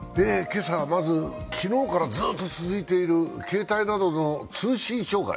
今朝はまず昨日からずっと続いている携帯などの通信障害